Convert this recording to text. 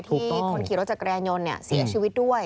ที่คนขี่รถจักรยานยนต์เนี่ยเสียชีวิตด้วย